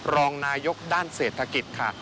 รองนายกด้านเศรษฐกิจค่ะ